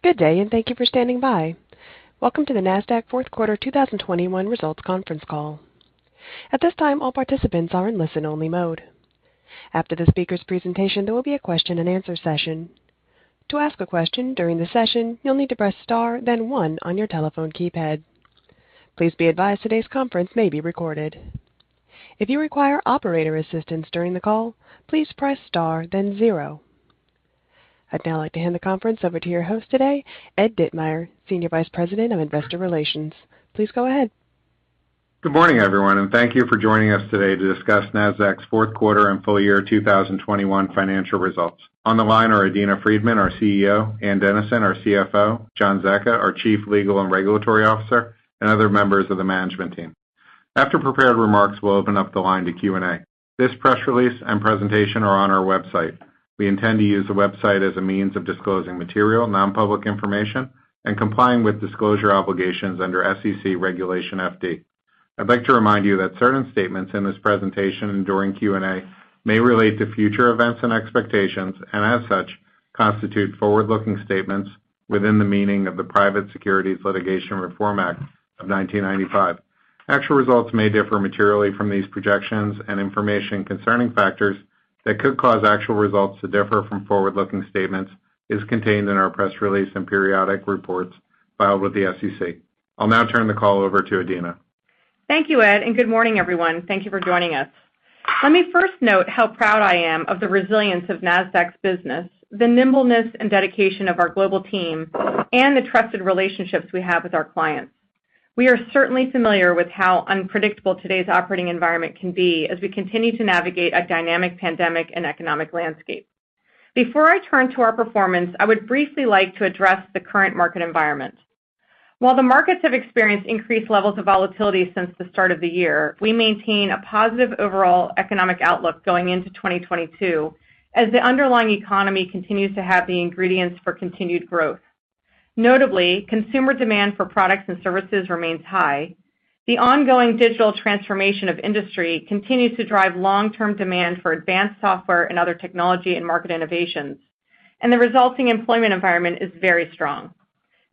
Good day, and thank you for standing by. Welcome to the Nasdaq fourth quarter 2021 results conference call. At this time, all participants are in listen-only mode. After the speaker's presentation, there will be a question-and-answer session. To ask a question during the session, you'll need to press Star, then one on your telephone keypad. Please be advised today's conference may be recorded. If you require operator assistance during the call, please press Star, then zero. I'd now like to hand the conference over to your host today, Ed Ditmire, Senior Vice President of Investor Relations. Please go ahead. Good morning, everyone, and thank you for joining us today to discuss Nasdaq's fourth quarter and full year 2021 financial results. On the line are Adena Friedman, our CEO; Ann Dennison, our CFO; John Zecca, our Chief Legal and Regulatory Officer; and other members of the management team. After prepared remarks, we'll open up the line to Q&A. This press release and presentation are on our website. We intend to use the website as a means of disclosing material, non-public information and complying with disclosure obligations under SEC Regulation FD. I'd like to remind you that certain statements in this presentation and during Q&A may relate to future events and expectations and, as such, constitute forward-looking statements within the meaning of the Private Securities Litigation Reform Act of 1995. Actual results may differ materially from these projections and information concerning factors that could cause actual results to differ from forward-looking statements is contained in our press release and periodic reports filed with the SEC. I'll now turn the call over to Adena. Thank you, Ed, and good morning, everyone. Thank you for joining us. Let me first note how proud I am of the resilience of Nasdaq's business, the nimbleness and dedication of our global team, and the trusted relationships we have with our clients. We are certainly familiar with how unpredictable today's operating environment can be as we continue to navigate a dynamic pandemic and economic landscape. Before I turn to our performance, I would briefly like to address the current market environment. While the markets have experienced increased levels of volatility since the start of the year, we maintain a positive overall economic outlook going into 2022, as the underlying economy continues to have the ingredients for continued growth. Notably, consumer demand for products and services remains high. The ongoing digital transformation of industry continues to drive long-term demand for advanced software and other technology and market innovations, and the resulting employment environment is very strong.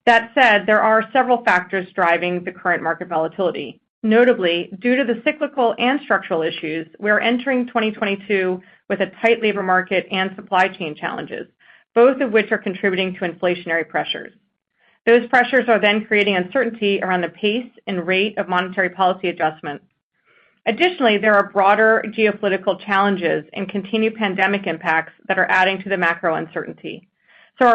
That said, there are several factors driving the current market volatility. Notably, due to the cyclical and structural issues, we are entering 2022 with a tight labor market and supply chain challenges, both of which are contributing to inflationary pressures. Those pressures are then creating uncertainty around the pace and rate of monetary policy adjustments. Additionally, there are broader geopolitical challenges and continued pandemic impacts that are adding to the macro uncertainty. While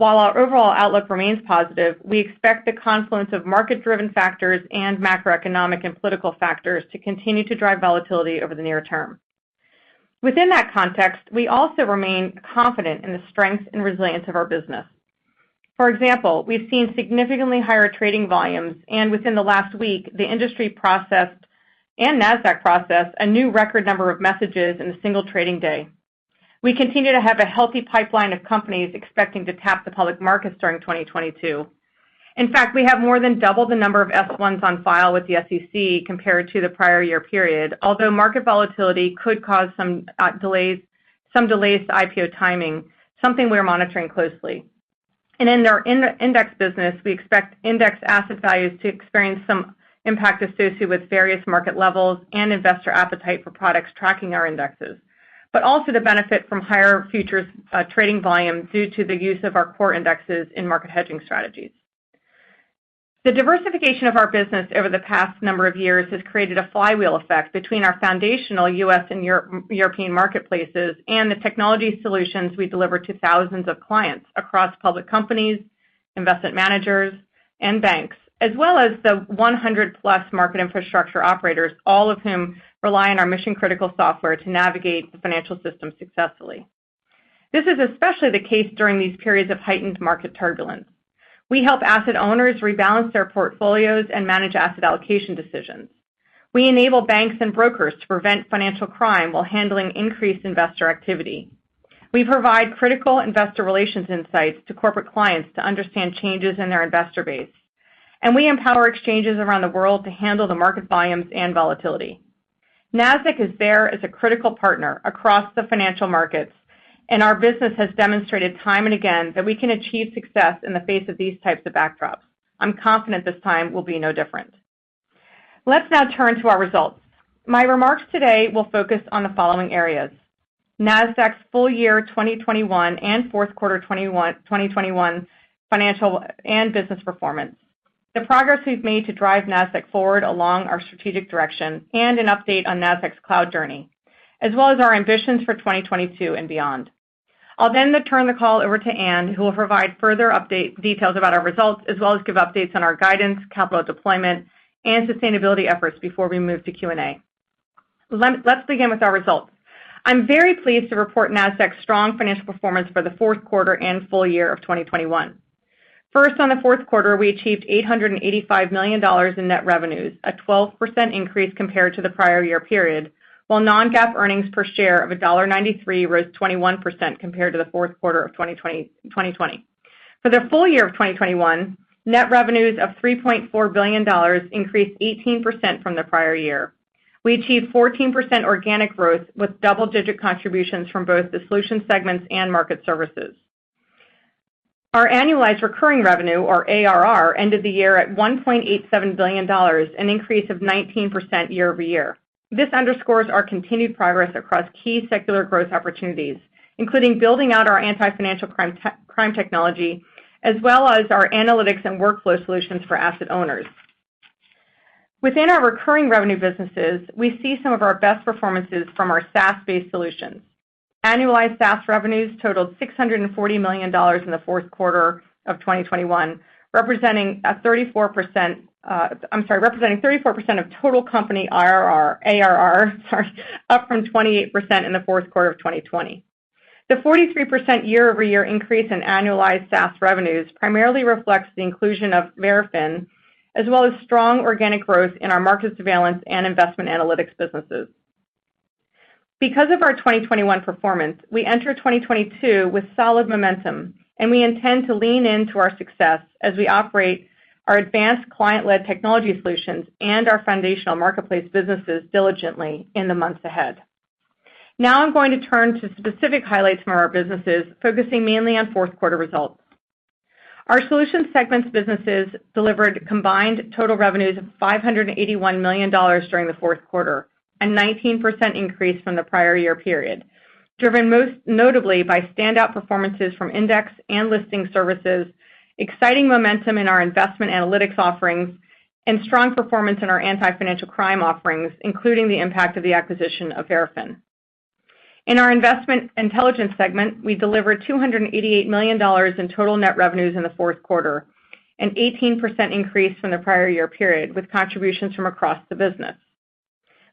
our overall outlook remains positive, we expect the confluence of market-driven factors and macroeconomic and political factors to continue to drive volatility over the near term. Within that context, we also remain confident in the strength and resilience of our business. For example, we've seen significantly higher trading volumes, and within the last week, the industry processed and Nasdaq processed a new record number of messages in a single trading day. We continue to have a healthy pipeline of companies expecting to tap the public markets during 2022. In fact, we have more than double the number of S-1s on file with the SEC compared to the prior year period, although market volatility could cause some delays to IPO timing, something we're monitoring closely. In our index business, we expect index asset values to experience some impact associated with various market levels and investor appetite for products tracking our indexes, but also to benefit from higher futures trading volume due to the use of our core indexes in market hedging strategies. The diversification of our business over the past number of years has created a flywheel effect between our foundational U.S. and European marketplaces and the technology solutions we deliver to thousands of clients across public companies, investment managers, and banks, as well as the 100+ market infrastructure operators, all of whom rely on our mission-critical software to navigate the financial system successfully. This is especially the case during these periods of heightened market turbulence. We help asset owners rebalance their portfolios and manage asset allocation decisions. We enable banks and brokers to prevent financial crime while handling increased investor activity. We provide critical investor relations insights to corporate clients to understand changes in their investor base. We empower exchanges around the world to handle the market volumes and volatility. Nasdaq is there as a critical partner across the financial markets, and our business has demonstrated time and again that we can achieve success in the face of these types of backdrops. I'm confident this time will be no different. Let's now turn to our results. My remarks today will focus on the following areas, Nasdaq's full year 2021 and fourth quarter 2021 financial and business performance, the progress we've made to drive Nasdaq forward along our strategic direction, and an update on Nasdaq's cloud journey, as well as our ambitions for 2022 and beyond. I'll then turn the call over to Ann, who will provide further details about our results, as well as give updates on our guidance, capital deployment, and sustainability efforts before we move to Q&A. Let's begin with our results. I'm very pleased to report Nasdaq's strong financial performance for the fourth quarter and full year of 2021. First, on the fourth quarter, we achieved $885 million in net revenues, a 12% increase compared to the prior year period, while non-GAAP earnings per share of $1.93 rose 21% compared to the fourth quarter of 2020. For the full year of 2021, net revenues of $3.4 billion increased 18% from the prior year. We achieved 14% organic growth with double-digit contributions from both the solution segments and market services. Our annualized recurring revenue, or ARR, ended the year at $1.87 billion, an increase of 19% year over year. This underscores our continued progress across key secular growth opportunities, including building out our anti-financial crime technology, as well as our analytics and workflow solutions for asset owners. Within our recurring revenue businesses, we see some of our best performances from our SaaS-based solutions. Annualized SaaS revenues totaled $640 million in the fourth quarter of 2021, representing 34% of total company ARR, up from 28% in the fourth quarter of 2020. The 43% year-over-year increase in annualized SaaS revenues primarily reflects the inclusion of Verafin, as well as strong organic growth in our market surveillance and investment analytics businesses. Because of our 2021 performance, we enter 2022 with solid momentum, and we intend to lean into our success as we operate our advanced client-led technology solutions and our foundational marketplace businesses diligently in the months ahead. Now I'm going to turn to specific highlights from our businesses, focusing mainly on fourth quarter results. Our Solutions segment's businesses delivered combined total revenues of $581 million during the fourth quarter, a 19% increase from the prior year period, driven most notably by standout performances from index and listing services, exciting momentum in our investment analytics offerings, and strong performance in our anti-financial crime offerings, including the impact of the acquisition of Verafin. In our investment intelligence segment, we delivered $288 million in total net revenues in the fourth quarter, an 18% increase from the prior year period, with contributions from across the business.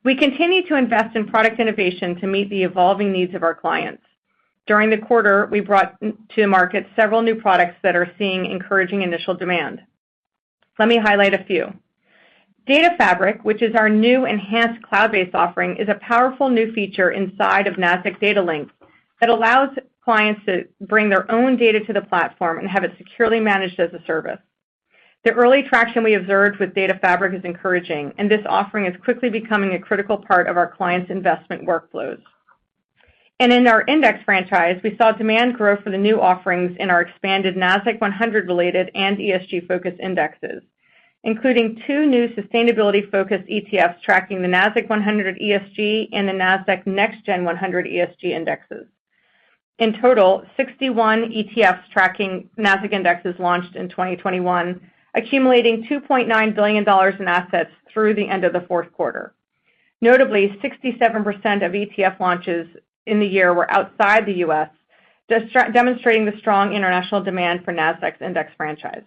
We continue to invest in product innovation to meet the evolving needs of our clients. During the quarter, we brought to market several new products that are seeing encouraging initial demand. Let me highlight a few. Data Fabric, which is our new enhanced cloud-based offering, is a powerful new feature inside of Nasdaq Data Link that allows clients to bring their own data to the platform and have it securely managed as a service. The early traction we observed with Data Fabric is encouraging, and this offering is quickly becoming a critical part of our clients' investment workflows. In our index franchise, we saw demand grow for the new offerings in our expanded Nasdaq-100 related and ESG-focused indexes, including two new sustainability-focused ETFs tracking the Nasdaq-100 ESG and the Nasdaq Next Generation 100 ESG indexes. In total, 61 ETFs tracking Nasdaq indexes launched in 2021, accumulating $2.9 billion in assets through the end of the fourth quarter. Notably, 67% of ETF launches in the year were outside the U.S., demonstrating the strong international demand for Nasdaq's index franchise.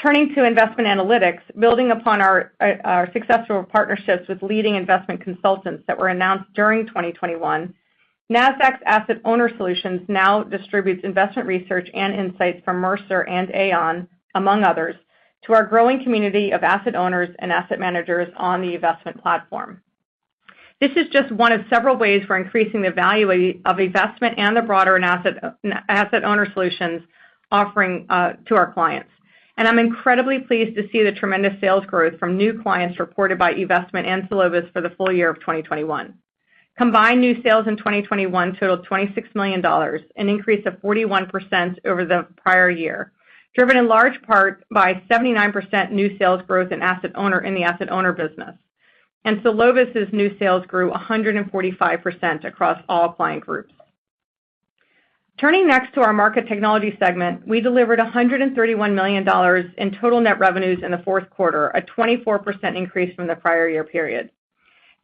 Turning to investment analytics, building upon our successful partnerships with leading investment consultants that were announced during 2021, Nasdaq's asset owner solutions now distributes investment research and insights from Mercer and Aon, among others, to our growing community of asset owners and asset managers on the investment platform. This is just one of several ways we're increasing the value of eVestment and the broader asset owner solutions offering to our clients. I'm incredibly pleased to see the tremendous sales growth from new clients reported by eVestment and Solovis for the full year of 2021. Combined new sales in 2021 totaled $26 million, an increase of 41% over the prior year, driven in large part by 79% new sales growth in the asset owner business. Solovis' new sales grew 145% across all client groups. Turning next to our Market Technology segment, we delivered $131 million in total net revenues in the fourth quarter, a 24% increase from the prior year period.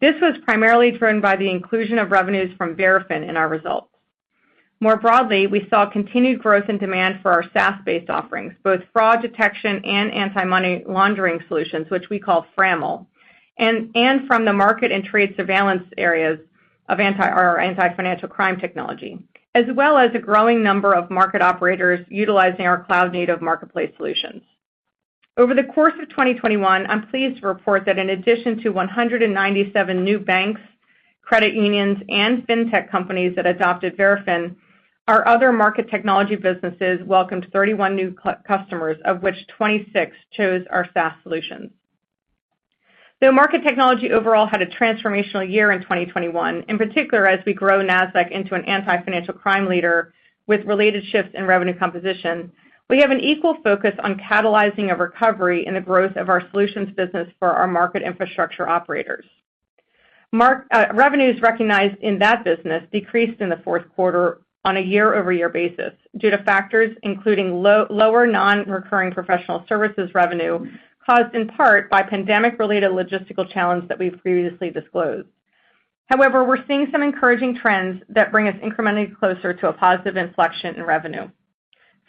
This was primarily driven by the inclusion of revenues from Verafin in our results. More broadly, we saw continued growth and demand for our SaaS-based offerings, both fraud detection and anti-money laundering solutions, which we call FRAML, and from the market and trade surveillance areas of our anti-financial crime technology, as well as a growing number of market operators utilizing our cloud-native marketplace solutions. Over the course of 2021, I'm pleased to report that in addition to 197 new banks, credit unions, and fintech companies that adopted Verafin, our other market technology businesses welcomed 31 new customers, of which 26 chose our SaaS solutions. Though market technology overall had a transformational year in 2021, in particular as we grow Nasdaq into an anti-financial crime leader with related shifts in revenue composition, we have an equal focus on catalyzing a recovery in the growth of our solutions business for our market infrastructure operators. Mark, revenues recognized in that business decreased in the fourth quarter on a year-over-year basis due to factors including lower non-recurring professional services revenue caused in part by pandemic-related logistical challenges that we've previously disclosed. However, we're seeing some encouraging trends that bring us incrementally closer to a positive inflection in revenue.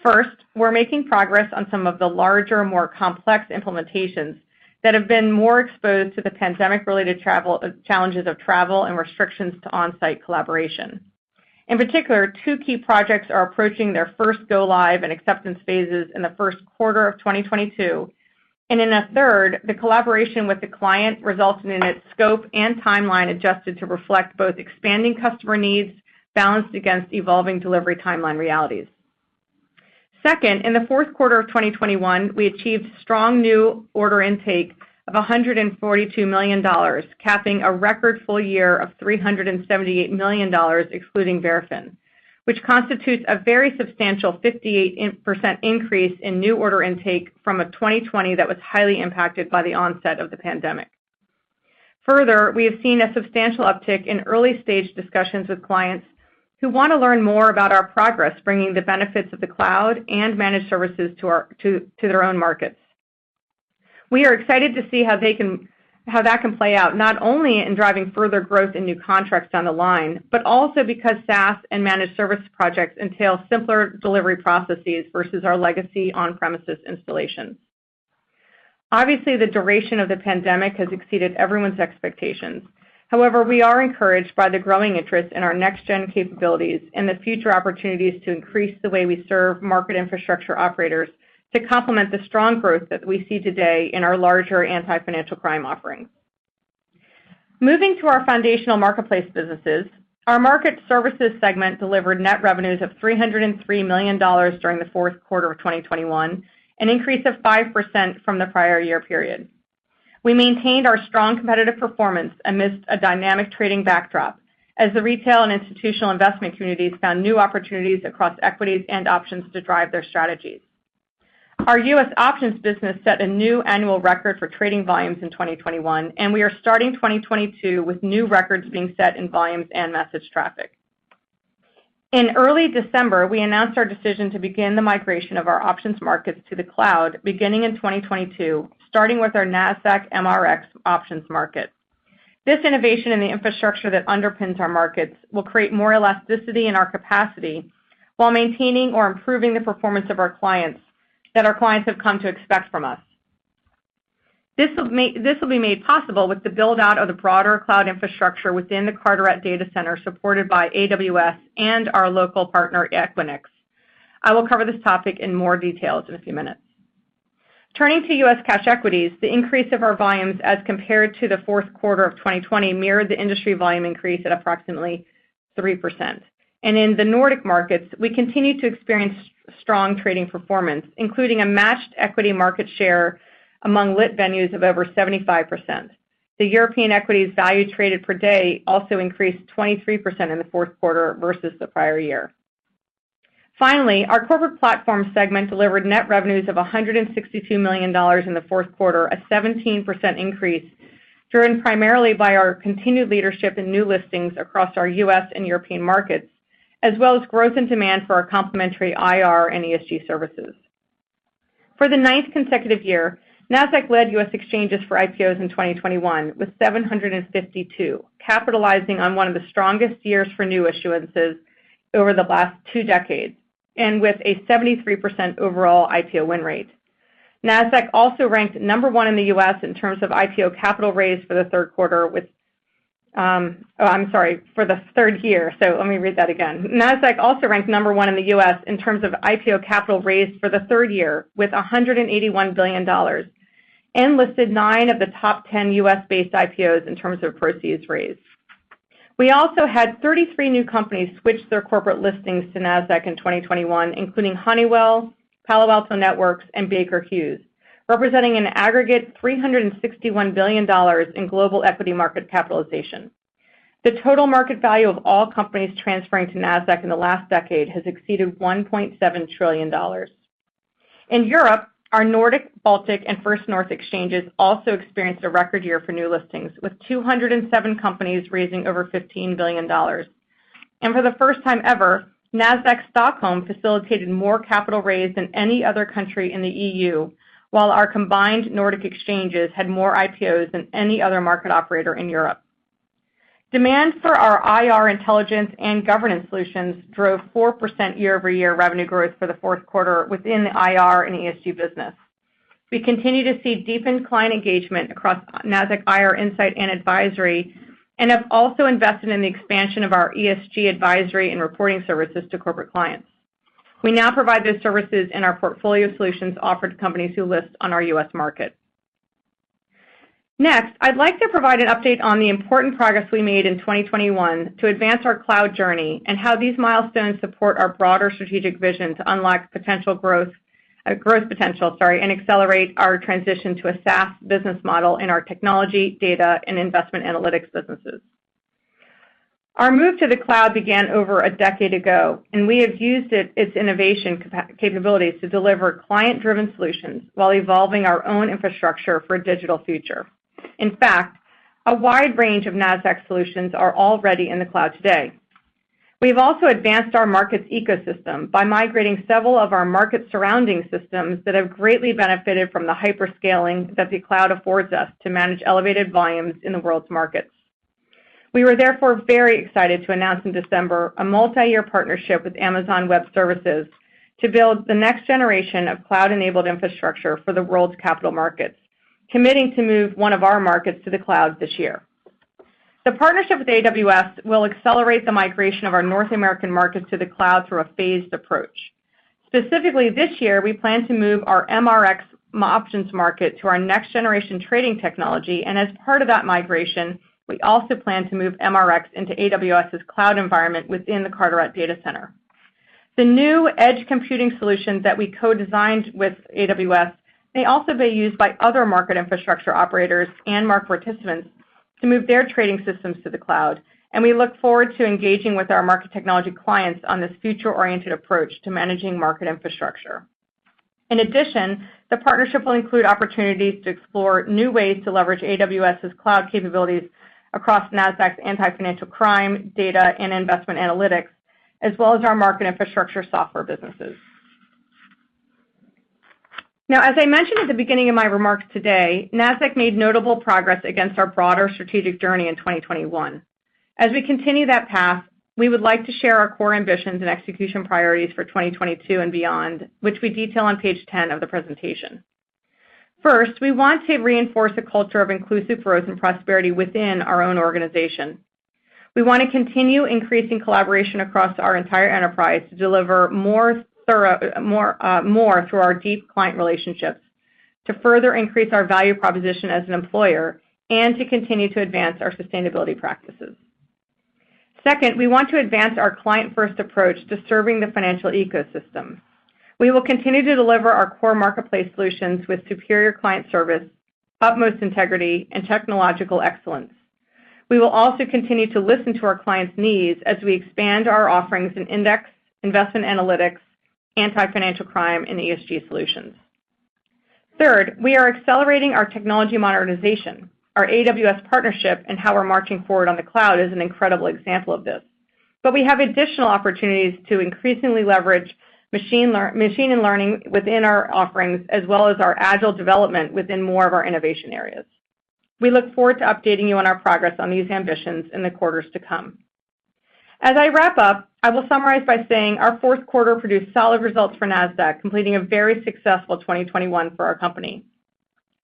First, we're making progress on some of the larger, more complex implementations that have been more exposed to the pandemic-related travel challenges of travel and restrictions to on-site collaboration. In particular, two key projects are approaching their first go live and acceptance phases in the first quarter of 2022. In a third, the collaboration with the client resulted in its scope and timeline adjusted to reflect both expanding customer needs balanced against evolving delivery timeline realities. Second, in the fourth quarter of 2021, we achieved strong new order intake of $142 million, capping a record full year of $378 million, excluding Verafin, which constitutes a very substantial 58% increase in new order intake from a 2020 that was highly impacted by the onset of the pandemic. Further, we have seen a substantial uptick in early-stage discussions with clients who want to learn more about our progress, bringing the benefits of the cloud and managed services to their own markets. We are excited to see how that can play out, not only in driving further growth in new contracts down the line, but also because SaaS and managed service projects entail simpler delivery processes versus our legacy on-premises installations. Obviously, the duration of the pandemic has exceeded everyone's expectations. However, we are encouraged by the growing interest in our next gen capabilities and the future opportunities to increase the way we serve market infrastructure operators to complement the strong growth that we see today in our larger anti-financial crime offerings. Moving to our foundational marketplace businesses, our market services segment delivered net revenues of $303 million during the fourth quarter of 2021, an increase of 5% from the prior year period. We maintained our strong competitive performance amidst a dynamic trading backdrop as the retail and institutional investment communities found new opportunities across equities and options to drive their strategies. Our U.S. options business set a new annual record for trading volumes in 2021, and we are starting 2022 with new records being set in volumes and message traffic. In early December, we announced our decision to begin the migration of our options markets to the cloud beginning in 2022, starting with our Nasdaq MRX options market. This innovation in the infrastructure that underpins our markets will create more elasticity in our capacity while maintaining or improving the performance that our clients have come to expect from us. This will be made possible with the build-out of the broader cloud infrastructure within the Carteret Data Center, supported by AWS and our local partner, Equinix. I will cover this topic in more details in a few minutes. Turning to U.S. cash equities, the increase of our volumes as compared to the fourth quarter of 2020 mirrored the industry volume increase at approximately 3%. In the Nordic markets, we continue to experience strong trading performance, including a matched equity market share among lit venues of over 75%. The European equities value traded per day also increased 23% in the fourth quarter versus the prior year. Finally, our corporate platform segment delivered net revenues of $162 million in the fourth quarter, a 17% increase, driven primarily by our continued leadership in new listings across our U.S. and European markets, as well as growth and demand for our complementary IR and ESG services. For the 9th consecutive year, Nasdaq led U.S. exchanges for IPOs in 2021 with 752, capitalizing on one of the strongest years for new issuances over the last two decades, and with a 73% overall IPO win rate. Nasdaq also ranked number 1 in the U.S. in terms of IPO capital raised for the third year, with $181 billion and listed 9 of the top 10 U.S.-based IPOs in terms of proceeds raised. We also had 33 new companies switch their corporate listings to Nasdaq in 2021, including Honeywell, Palo Alto Networks, and Baker Hughes, representing an aggregate $361 billion in global equity market capitalization. The total market value of all companies transferring to Nasdaq in the last decade has exceeded $1.7 trillion. In Europe, our Nordic, Baltic, and First North exchanges also experienced a record year for new listings, with 207 companies raising over $15 billion. For the first time ever, Nasdaq Stockholm facilitated more capital raised than any other country in the EU, while our combined Nordic exchanges had more IPOs than any other market operator in Europe. Demand for our IR intelligence and governance solutions drove 4% year-over-year revenue growth for the fourth quarter within the IR and ESG business. We continue to see deepened client engagement across Nasdaq IR Insight and advisory, and have also invested in the expansion of our ESG advisory and reporting services to corporate clients. We now provide these services in our portfolio solutions offered to companies who list on our U.S. market. Next, I'd like to provide an update on the important progress we made in 2021 to advance our cloud journey and how these milestones support our broader strategic vision to unlock potential growth potential, sorry, and accelerate our transition to a SaaS business model in our technology, data, and investment analytics businesses. Our move to the cloud began over a decade ago, and we have used its innovation capabilities to deliver client-driven solutions while evolving our own infrastructure for a digital future. In fact, a wide range of Nasdaq solutions are already in the cloud today. We've also advanced our markets ecosystem by migrating several of our market surrounding systems that have greatly benefited from the hyperscaling that the cloud affords us to manage elevated volumes in the world's markets. We were therefore very excited to announce in December a multi-year partnership with Amazon Web Services to build the next generation of cloud-enabled infrastructure for the world's capital markets, committing to move one of our markets to the cloud this year. The partnership with AWS will accelerate the migration of our North American markets to the cloud through a phased approach. Specifically, this year, we plan to move our MRX options market to our next generation trading technology, and as part of that migration, we also plan to move MRX into AWS's cloud environment within the Carteret data center. The new edge computing solutions that we co-designed with AWS may also be used by other market infrastructure operators and market participants to move their trading systems to the cloud, and we look forward to engaging with our market technology clients on this future-oriented approach to managing market infrastructure. In addition, the partnership will include opportunities to explore new ways to leverage AWS's cloud capabilities across Nasdaq's anti-financial crime, data, and investment analytics, as well as our market infrastructure software businesses. Now, as I mentioned at the beginning of my remarks today, Nasdaq made notable progress against our broader strategic journey in 2021. As we continue that path, we would like to share our core ambitions and execution priorities for 2022 and beyond, which we detail on page 10 of the presentation. First, we want to reinforce a culture of inclusive growth and prosperity within our own organization. We want to continue increasing collaboration across our entire enterprise to deliver more through our deep client relationships, to further increase our value proposition as an employer, and to continue to advance our sustainability practices. Second, we want to advance our client-first approach to serving the financial ecosystem. We will continue to deliver our core marketplace solutions with superior client service, utmost integrity, and technological excellence. We will also continue to listen to our clients' needs as we expand our offerings in index, investment analytics, anti-financial crime, and ESG solutions. Third, we are accelerating our technology modernization. Our AWS partnership and how we're marching forward on the cloud is an incredible example of this. We have additional opportunities to increasingly leverage machine learning within our offerings, as well as our agile development within more of our innovation areas. We look forward to updating you on our progress on these ambitions in the quarters to come. As I wrap up, I will summarize by saying our fourth quarter produced solid results for Nasdaq, completing a very successful 2021 for our company.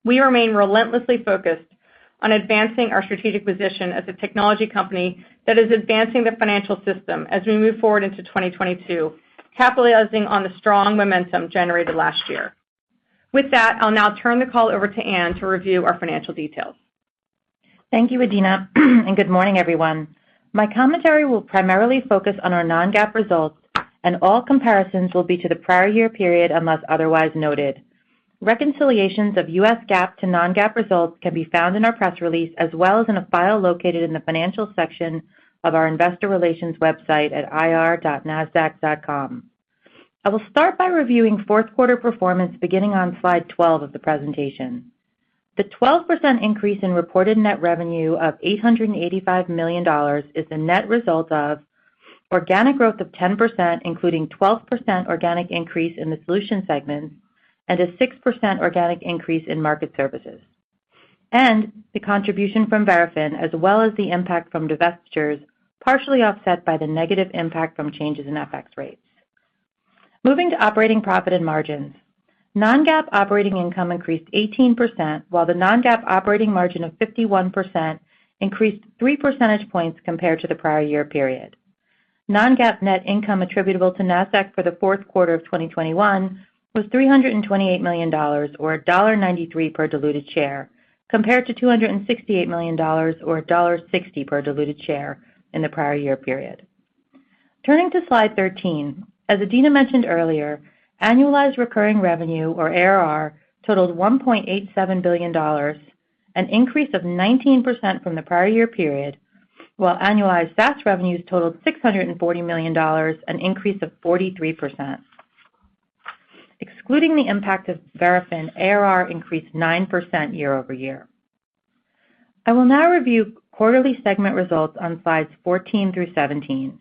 We remain relentlessly focused on advancing our strategic position as a technology company that is advancing the financial system as we move forward into 2022, capitalizing on the strong momentum generated last year. With that, I'll now turn the call over to Ann to review our financial details. Thank you, Adena, and good morning, everyone. My commentary will primarily focus on our non-GAAP results, and all comparisons will be to the prior year period unless otherwise noted. Reconciliations of U.S. GAAP to non-GAAP results can be found in our press release, as well as in a file located in the financial section of our investor relations website at ir.nasdaq.com. I will start by reviewing fourth quarter performance, beginning on slide 12 of the presentation. The 12% increase in reported net revenue of $885 million is the net result of organic growth of 10%, including 12% organic increase in the solutions segment and a 6% organic increase in market services, and the contribution from Verafin, as well as the impact from divestitures, partially offset by the negative impact from changes in FX rates. Moving to operating profit and margins. Non-GAAP operating income increased 18%, while the non-GAAP operating margin of 51% increased 3 percentage points compared to the prior year period. Non-GAAP net income attributable to Nasdaq for the fourth quarter of 2021 was $328 million, or $1.93 per diluted share, compared to $268 million or $1.60 per diluted share in the prior year period. Turning to slide 13. As Adena mentioned earlier, annualized recurring revenue, or ARR, totaled $1.87 billion, an increase of 19% from the prior year period, while annualized SaaS revenues totaled $640 million, an increase of 43%. Excluding the impact of Verafin, ARR increased 9% year-over-year. I will now review quarterly segment results on slides 14 through 17.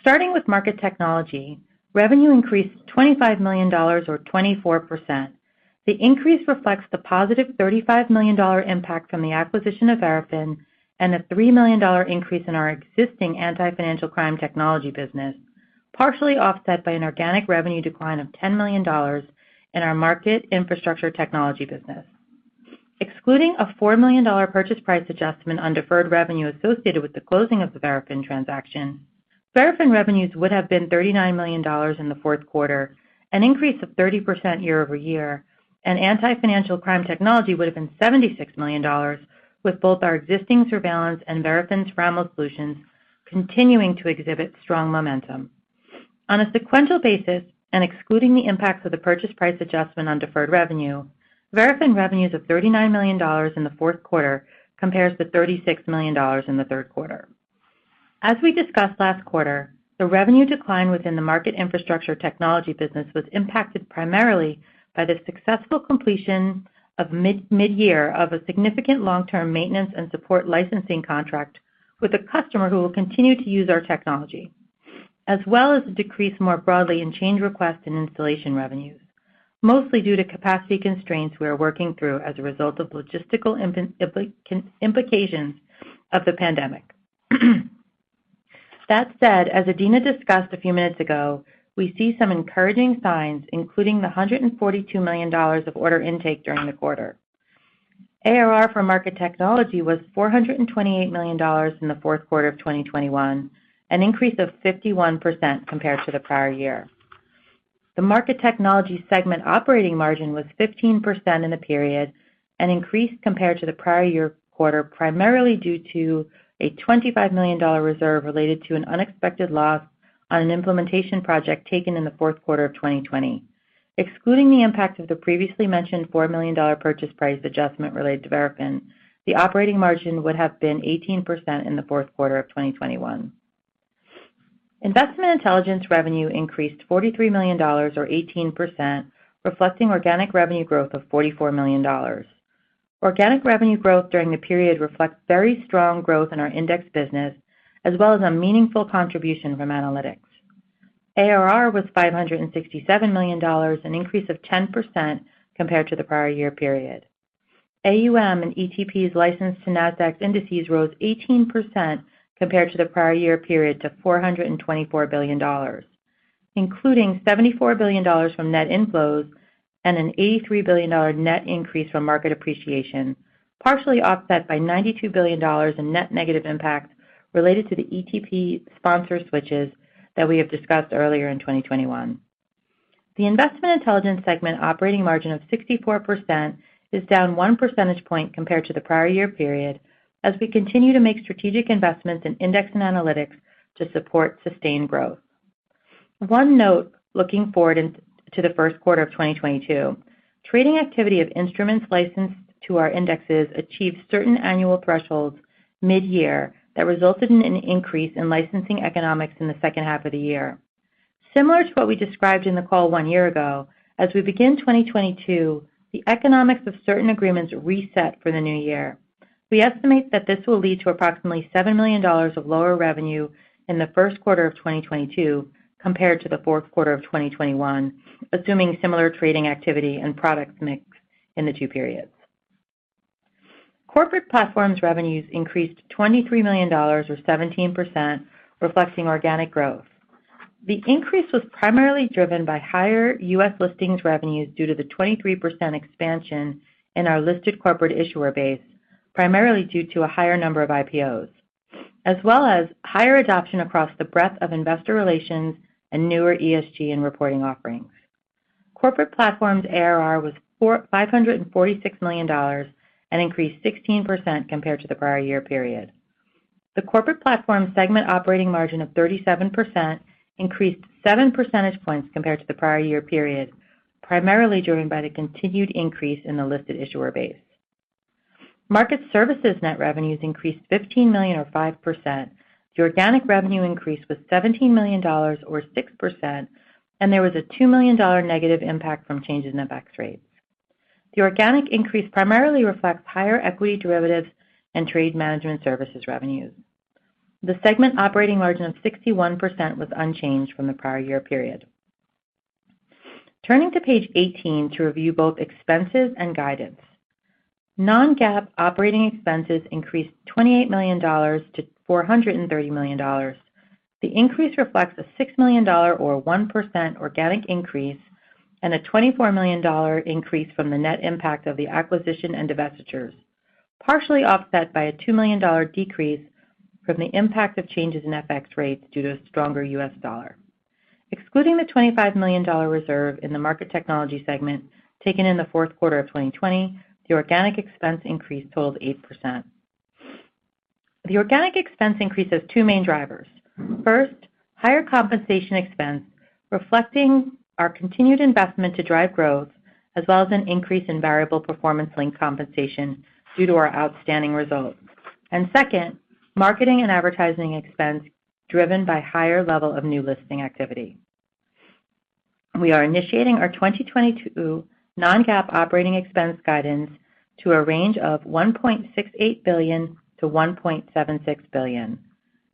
Starting with market technology, revenue increased $25 million or 24%. The increase reflects the positive $35 million impact from the acquisition of Verafin and a $3 million increase in our existing anti-financial crime technology business, partially offset by an organic revenue decline of $10 million in our market infrastructure technology business. Excluding a $4 million purchase price adjustment on deferred revenue associated with the closing of the Verafin transaction, Verafin revenues would have been $39 million in the fourth quarter, an increase of 30% year-over-year, and anti-financial crime technology would have been $76 million, with both our existing surveillance and Verafin's travel solutions continuing to exhibit strong momentum. On a sequential basis, and excluding the impacts of the purchase price adjustment on deferred revenue, Verafin revenues of $39 million in the fourth quarter compares to $36 million in the third quarter. As we discussed last quarter, the revenue decline within the market infrastructure technology business was impacted primarily by the successful completion of mid-year of a significant long-term maintenance and support licensing contract with a customer who will continue to use our technology, as well as a decrease more broadly in change requests and installation revenues, mostly due to capacity constraints we are working through as a result of logistical implications of the pandemic. That said, as Adena discussed a few minutes ago, we see some encouraging signs, including the $142 million of order intake during the quarter. ARR for Market Technology was $428 million in Q4 2021, an increase of 51% compared to the prior year. The Market Technology segment operating margin was 15% in the period and increased compared to the prior year quarter, primarily due to a $25 million reserve related to an unexpected loss on an implementation project taken in Q4 2020. Excluding the impact of the previously mentioned $4 million purchase price adjustment related to Verafin, the operating margin would have been 18% in Q4 2021. Investment Intelligence revenue increased $43 million or 18%, reflecting organic revenue growth of $44 million. Organic revenue growth during the period reflects very strong growth in our index business as well as a meaningful contribution from analytics. ARR was $567 million, an increase of 10% compared to the prior year period. AUM and ETPs licensed to Nasdaq's indices rose 18% compared to the prior year period to $424 billion, including $74 billion from net inflows and an $83 billion net increase from market appreciation, partially offset by $92 billion in net negative impact related to the ETP sponsor switches that we have discussed earlier in 2021. The Investment Intelligence segment operating margin of 64% is down one percentage point compared to the prior year period as we continue to make strategic investments in index and analytics to support sustained growth. One note looking forward to the first quarter of 2022. Trading activity of instruments licensed to our indexes achieved certain annual thresholds mid-year that resulted in an increase in licensing economics in the second half of the year. Similar to what we described in the call one year ago, as we begin 2022, the economics of certain agreements reset for the new year. We estimate that this will lead to approximately $7 million of lower revenue in the first quarter of 2022 compared to the fourth quarter of 2021, assuming similar trading activity and product mix in the two periods. Corporate platforms revenues increased $23 million or 17%, reflecting organic growth. The increase was primarily driven by higher U.S. listings revenues due to the 23% expansion in our listed corporate issuer base, primarily due to a higher number of IPOs, as well as higher adoption across the breadth of investor relations and newer ESG and reporting offerings. Corporate Platforms ARR was $546 million, an increase 16% compared to the prior year period. The corporate platform segment operating margin of 37% increased seven percentage points compared to the prior year period, primarily driven by the continued increase in the listed issuer base. Market Services net revenues increased $15 million or 5%. The organic revenue increase was $17 million or 6%, and there was a $2 million negative impact from changes in FX rates. The organic increase primarily reflects higher equity derivatives and trade management services revenues. The segment operating margin of 61% was unchanged from the prior year period. Turning to page 18 to review both expenses and guidance. Non-GAAP operating expenses increased $28 million-$430 million. The increase reflects a $6 million or 1% organic increase and a $24 million increase from the net impact of the acquisition and divestitures, partially offset by a $2 million decrease from the impact of changes in FX rates due to a stronger U.S. dollar. Excluding the $25 million reserve in the market technology segment taken in the fourth quarter of 2020, the organic expense increase totaled 8%. The organic expense increase has two main drivers. First, higher compensation expense, reflecting our continued investment to drive growth, as well as an increase in variable performance-linked compensation due to our outstanding results. Second, marketing and advertising expense driven by higher level of new listing activity. We are initiating our 2022 non-GAAP operating expense guidance to a range of $1.68 billion-$1.76 billion.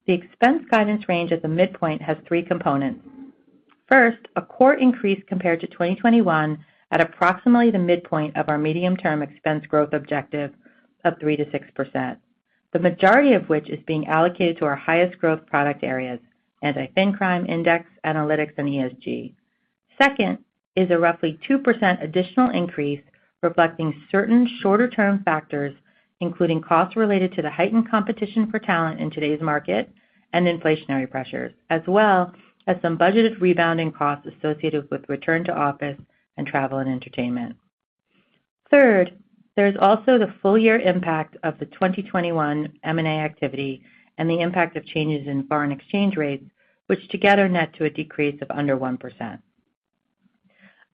The expense guidance range at the midpoint has three components. First, a core increase compared to 2021 at approximately the midpoint of our medium-term expense growth objective of 3%-6%. The majority of which is being allocated to our highest growth product areas, anti-financial crime, index, analytics, and ESG. Second is a roughly 2% additional increase reflecting certain shorter-term factors, including costs related to the heightened competition for talent in today's market and inflationary pressures, as well as some budgeted rebounding costs associated with return to office and travel and entertainment. Third, there is also the full year impact of the 2021 M&A activity and the impact of changes in foreign exchange rates, which together net to a decrease of under 1%.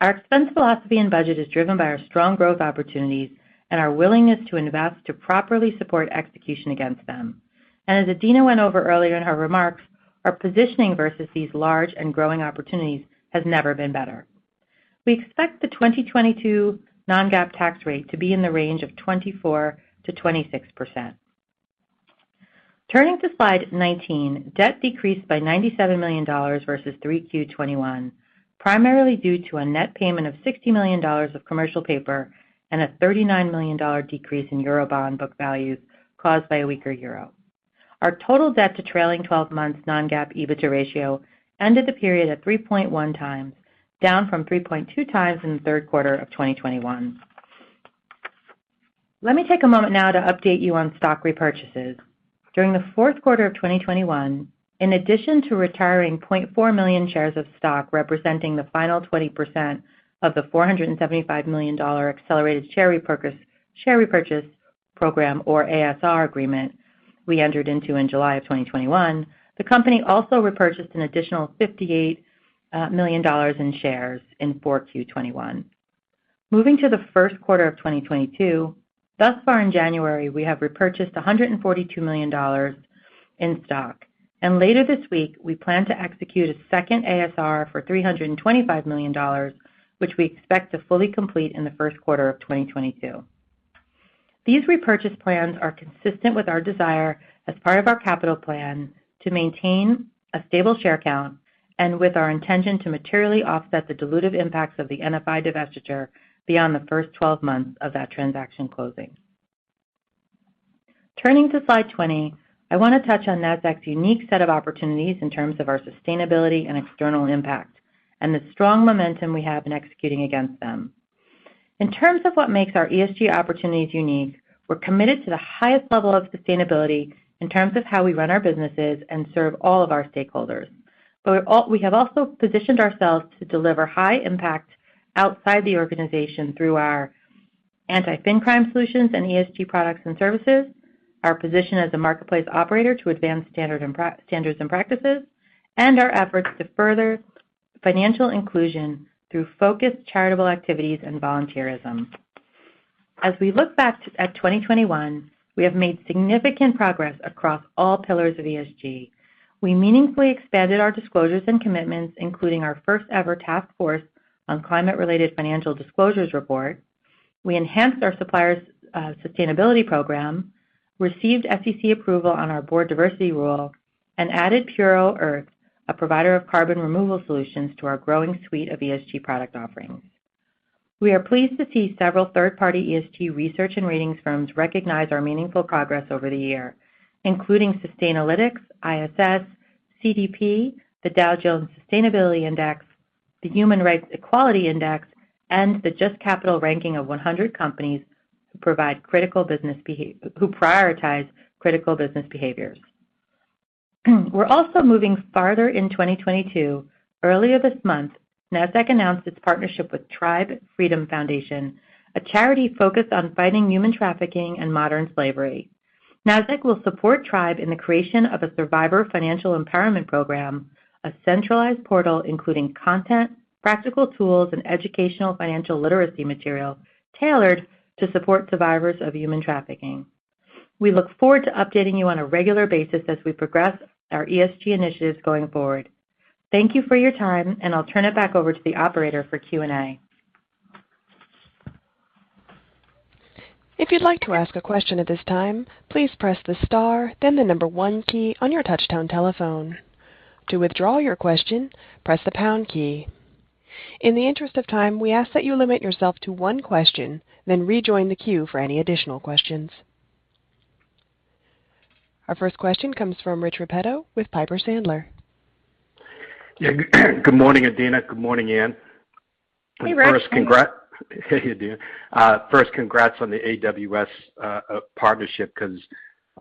Our expense philosophy and budget is driven by our strong growth opportunities and our willingness to invest to properly support execution against them. As Adena went over earlier in her remarks, our positioning versus these large and growing opportunities has never been better. We expect the 2022 non-GAAP tax rate to be in the range of 24%-26%. Turning to slide 19, debt decreased by $97 million versus 3Q 2021, primarily due to a net payment of $60 million of commercial paper and a $39 million decrease in eurobond book values caused by a weaker euro. Our total debt to trailing 12 months non-GAAP EBITDA ratio ended the period at 3.1x, down from 3.2x in the third quarter of 2021. Let me take a moment now to update you on stock repurchases. During the fourth quarter of 2021, in addition to retiring 0.4 million shares of stock, representing the final 20% of the $475 million accelerated share repurchase, share repurchase program or ASR agreement we entered into in July of 2021, the company also repurchased an additional $58 million in shares in 4Q 2021. Moving to the first quarter of 2022, thus far in January, we have repurchased $142 million in stock. Later this week, we plan to execute a second ASR for $325 million, which we expect to fully complete in the first quarter of 2022. These repurchase plans are consistent with our desire as part of our capital plan to maintain a stable share count and with our intention to materially offset the dilutive impacts of the NFI divestiture beyond the first 12 months of that transaction closing. Turning to slide 20, I wanna touch on Nasdaq's unique set of opportunities in terms of our sustainability and external impact, and the strong momentum we have in executing against them. In terms of what makes our ESG opportunities unique, we're committed to the highest level of sustainability in terms of how we run our businesses and serve all of our stakeholders. We have also positioned ourselves to deliver high impact outside the organization through our anti-financial crime solutions and ESG products and services, our position as a marketplace operator to advance standards and practices, and our efforts to further financial inclusion through focused charitable activities and volunteerism. As we look back at 2021, we have made significant progress across all pillars of ESG. We meaningfully expanded our disclosures and commitments, including our first ever Task Force on Climate-related Financial Disclosures report. We enhanced our suppliers sustainability program, received SEC approval on our board diversity rule, and added Puro.earth, a provider of carbon removal solutions, to our growing suite of ESG product offerings. We are pleased to see several third-party ESG research and ratings firms recognize our meaningful progress over the year, including Sustainalytics, ISS, CDP, the Dow Jones Sustainability Index, the Human Rights Campaign Corporate Equality Index, and the JUST Capital ranking of 100 companies who prioritize critical business behaviors. We're also moving farther in 2022. Earlier this month, Nasdaq announced its partnership with Tribe Freedom Foundation, a charity focused on fighting human trafficking and modern slavery. Nasdaq will support Tribe in the creation of a survivor financial empowerment program, a centralized portal including content, practical tools, and educational financial literacy material tailored to support survivors of human trafficking. We look forward to updating you on a regular basis as we progress our ESG initiatives going forward. Thank you for your time, and I'll turn it back over to the operator for Q&A. If you'd like to ask a question at this time, please press the star then the number one key on your touch tone telephone. To withdraw your question, press the pound key. In the interest of time, we ask that you limit yourself to one question then rejoin the queue for any additional questions. Our first question comes from Rich Repetto with Piper Sandler. Yeah. Good morning, Adena. Good morning, Ann. Hey, Rich. Hey, Adena. First congrats on the AWS partnership 'cause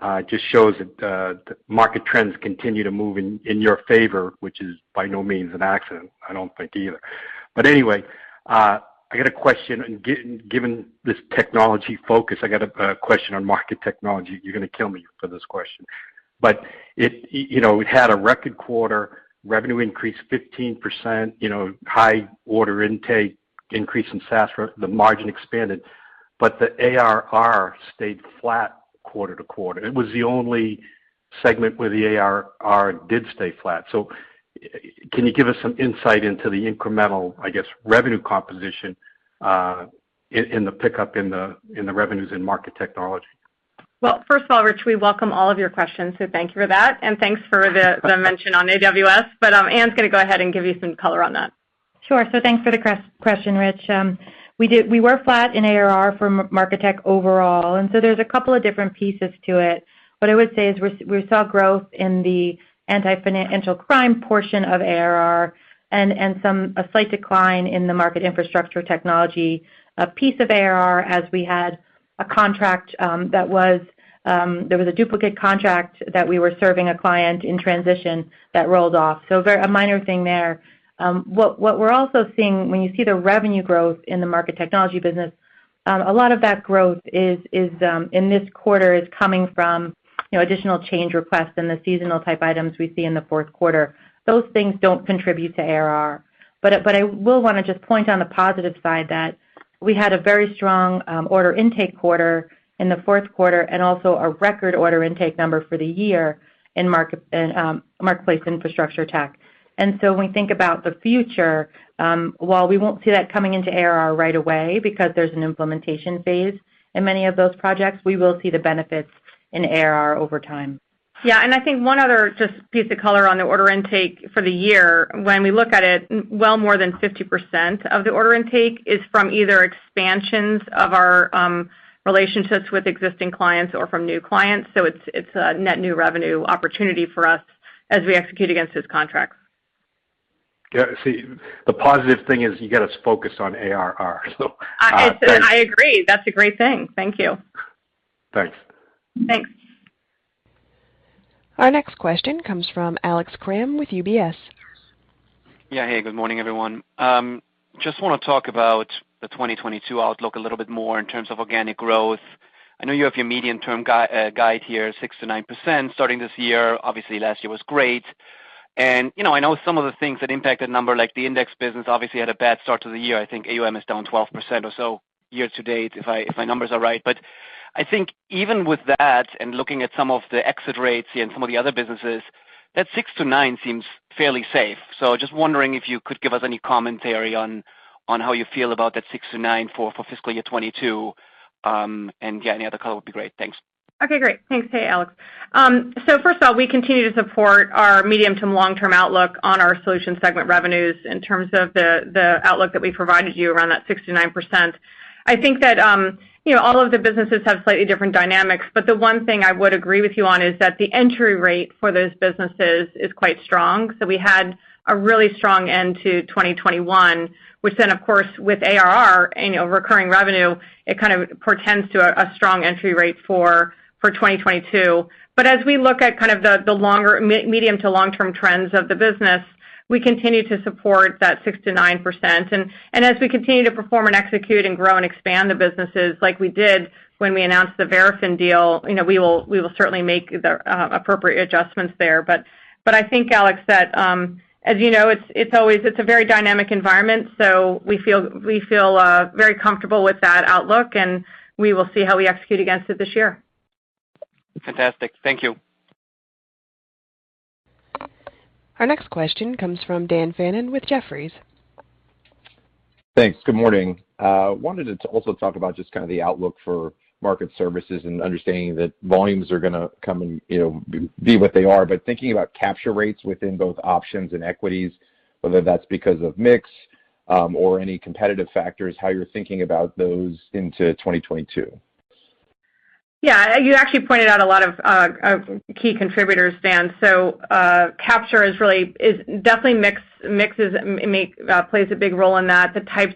it just shows that the market trends continue to move in your favor, which is by no means an accident, I don't think, either. Anyway, given this technology focus, I got a question on market technology. You're gonna kill me for this question. You know, we had a record quarter, revenue increased 15%, you know, high order intake, increase in SaaS, the margin expanded, but the ARR stayed flat quarter to quarter. It was the only segment where the ARR did stay flat. Can you give us some insight into the incremental, I guess, revenue composition in the pickup in the revenues in Market Technology? Well, first of all, Rich, we welcome all of your questions, so thank you for that, and thanks for the mention on AWS. Ann's gonna go ahead and give you some color on that. Sure. Thanks for the question, Rich. We were flat in ARR for MarketTech overall, and there's a couple of different pieces to it. What I would say is we saw growth in the anti-financial crime portion of ARR and a slight decline in the market infrastructure technology piece of ARR as we had a contract that was a duplicate contract that we were serving a client in transition that rolled off. A minor thing there—what we're also seeing when you see the revenue growth in the market technology business, a lot of that growth is in this quarter coming from, you know, additional change requests and the seasonal type items we see in the fourth quarter. Those things don't contribute to ARR. I will wanna just point on the positive side that we had a very strong order intake quarter in the fourth quarter and also a record order intake number for the year in marketplace infrastructure tech. When we think about the future, while we won't see that coming into ARR right away because there's an implementation phase in many of those projects, we will see the benefits in ARR over time. Yeah. I think one other just piece of color on the order intake for the year, when we look at it, well more than 50% of the order intake is from either expansions of our relationships with existing clients or from new clients. It's a net new revenue opportunity for us as we execute against those contracts. Yeah, see, the positive thing is you get us focused on ARR, so, thanks. I said I agree. That's a great thing. Thank you. Thanks. Thanks. Our next question comes from Alex Kramm with UBS. Yeah. Hey, good morning, everyone. Just wanna talk about the 2022 outlook a little bit more in terms of organic growth. I know you have your medium-term guide here, 6%-9% starting this year. Obviously, last year was great. You know, I know some of the things that impact that number, like the index business obviously had a bad start to the year. I think AUM is down 12% or so year to date, if my numbers are right. I think even with that, and looking at some of the exit rates and some of the other businesses, that 6%-9% seems fairly safe. Just wondering if you could give us any commentary on how you feel about that 6%-9% for fiscal year 2022, and yeah, any other color would be great. Thanks. Okay, great. Thanks. Hey, Alex. First of all, we continue to support our medium to long-term outlook on our solutions segment revenues in terms of the outlook that we provided you around that 6%-9%. I think that, you know, all of the businesses have slightly different dynamics, but the one thing I would agree with you on is that the entry rate for those businesses is quite strong. We had a really strong end to 2021, which then, of course, with ARR and, you know, recurring revenue, it kind of portends to a strong entry rate for 2022. As we look at kind of the longer medium to long-term trends of the business, we continue to support that 6%-9%. As we continue to perform and execute and grow and expand the businesses like we did when we announced the Verafin deal, you know, we will certainly make the appropriate adjustments there. I think, Alex, that as you know, it's always a very dynamic environment, so we feel very comfortable with that outlook, and we will see how we execute against it this year. Fantastic. Thank you. Our next question comes from Dan Fannon with Jefferies. Thanks. Good morning. I wanted to also talk about just kinda the outlook for market services and understanding that volumes are gonna come and be what they are, but thinking about capture rates within both options and equities, whether that's because of mix or any competitive factors, how you're thinking about those into 2022. Yeah. You actually pointed out a lot of key contributors, Dan. Capture is really definitely mix plays a big role in that, the types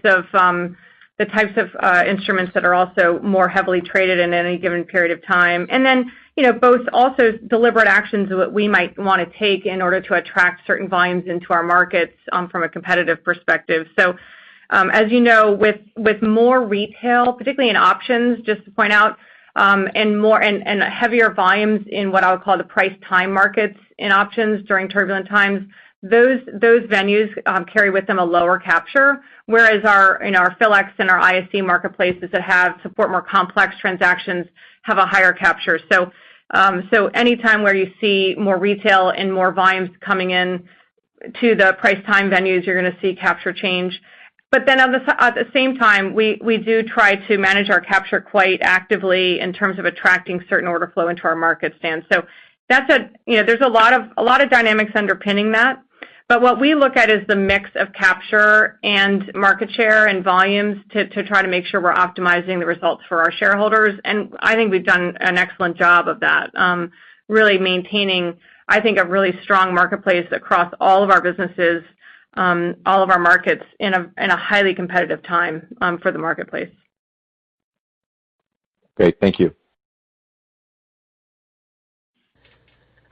of instruments that are also more heavily traded in any given period of time, you know, both also deliberate actions that we might wanna take in order to attract certain volumes into our markets from a competitive perspective. As you know, with more retail, particularly in options, just to point out, and heavier volumes in what I would call the price-time markets in options during turbulent times, those venues carry with them a lower capture, whereas in our PHLX and ISE marketplaces that support more complex transactions have a higher capture. Anytime where you see more retail and more volumes coming in to the price time venues, you're gonna see capture change. At the same time, we do try to manage our capture quite actively in terms of attracting certain order flow into our market stand. You know, there's a lot of dynamics underpinning that. What we look at is the mix of capture and market share and volumes to try to make sure we're optimizing the results for our shareholders. I think we've done an excellent job of that, really maintaining, I think, a really strong marketplace across all of our businesses, all of our markets in a highly competitive time for the marketplace. Great. Thank you.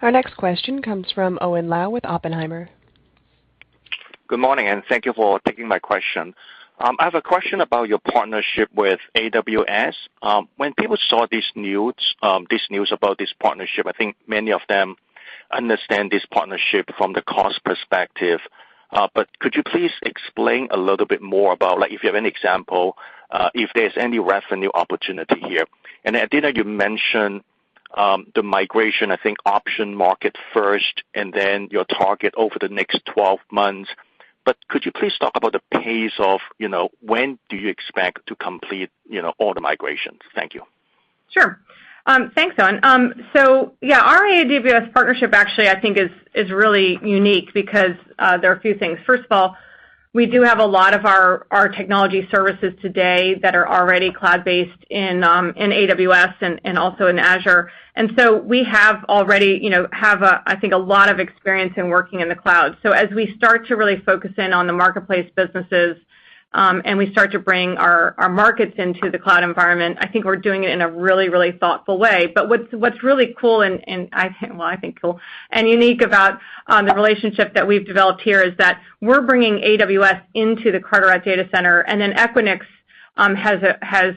Our next question comes from Owen Lau with Oppenheimer. Good morning, and thank you for taking my question. I have a question about your partnership with AWS. When people saw this news, this news about this partnership, I think many of them understand this partnership from the cost perspective. But could you please explain a little bit more about, like, if you have any example, if there's any revenue opportunity here. Adena, you mentioned the migration, I think, option market first, and then your target over the next 12 months. Could you please talk about the pace of, you know, when do you expect to complete, you know, all the migrations? Thank you. Sure. Thanks, Owen. So yeah, our AWS partnership actually, I think is really unique because there are a few things. First of all, we do have a lot of our technology services today that are already cloud-based in AWS and also in Azure. We have already, you know, I think, a lot of experience in working in the cloud. As we start to really focus in on the marketplace businesses and we start to bring our markets into the cloud environment, I think we're doing it in a really thoughtful way. What's really cool and I think cool and unique about the relationship that we've developed here is that we're bringing AWS into the Carteret data center, and then Equinix has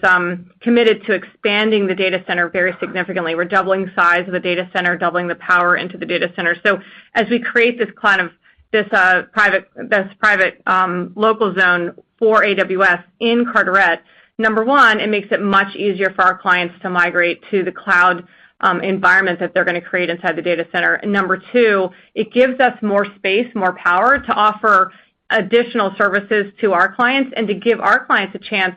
committed to expanding the data center very significantly. We're doubling size of the data center, doubling the power into the data center. As we create this private local zone for AWS in Carteret, number one, it makes it much easier for our clients to migrate to the cloud environment that they're gonna create inside the data center. Number two, it gives us more space, more power to offer additional services to our clients and to give our clients a chance